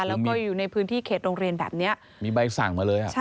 แล้วก็อยู่ในพื้นที่เขตโรงเรียนแบบนี้มีใบสั่งมาเลยอ่ะใช่